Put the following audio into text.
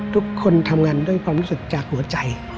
ทุกคนทำงานด้วยความรู้สึกจากหัวใจ